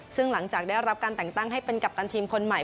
ซึ่งหลังจากได้รับการแต่งตั้งให้เป็นกัปตันทีมคนใหม่